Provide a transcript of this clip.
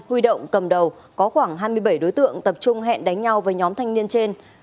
huy động cầm đầu có khoảng hai mươi bảy đối tượng tập trung hẹn đánh nhau với nhóm thanh niên trên